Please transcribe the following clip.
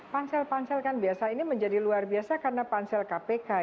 pansel pansel kan biasa ini menjadi luar biasa karena pansel kpk